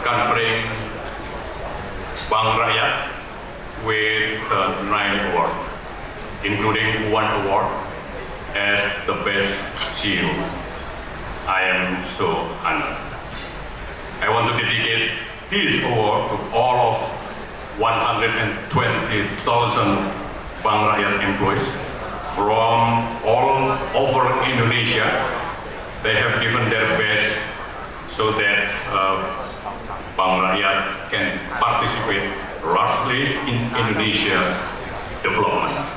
banyak pembayar dari seluruh indonesia mereka telah memberikan kebaikan mereka agar bri dapat berpartisipasi terutama dalam pengembangan indonesia